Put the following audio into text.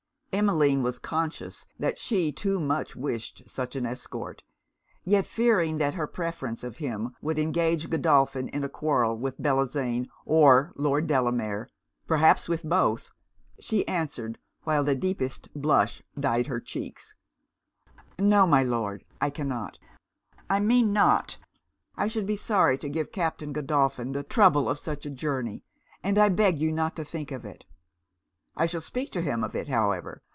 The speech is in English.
Emmeline was conscious that she too much wished such an escort; yet fearing that her preference of him would engage Godolphin in a quarrel with Bellozane or Lord Delamere, perhaps with both, she answered, while the deepest blush dyed her cheeks 'No, my Lord, I cannot I mean not I should be sorry to give Captain Godolphin the trouble of such a journey and I beg you not to think of it .' 'I shall speak to him of it, however.'